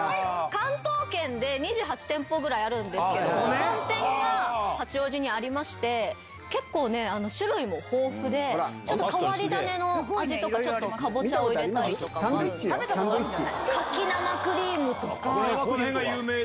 関東圏で２８店舗ぐらいあるんですけども、本店が八王子にありまして、結構ね、種類も豊富で、ちょっと変わり種の味とか、ちょっとカボチャを入れたりとかもあるんです。